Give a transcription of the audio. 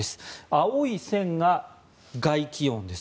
青い線が外気温です。